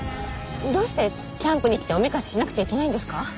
どうしてキャンプに来ておめかししなくちゃいけないんですか？